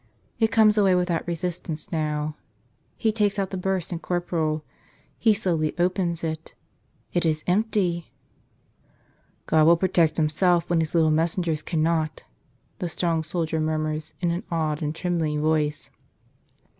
It comes away without resistance now. He takes out the burse and corporal. He slowly opens it. It is empty ! "God will protect Himself when His little messengers cannot," the strong soldier mur¬ murs in an awed and trembling voice.